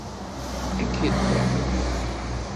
Ad k-iṭṭef.